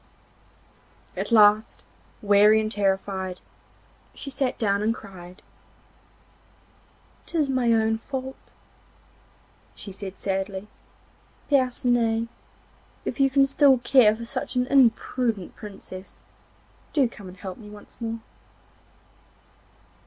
At last, weary and terrified, she sat down and cried. 'It is my own fault,' she said sadly. 'Percinet, if you can still care for such an imprudent Princess, do come and help me once more.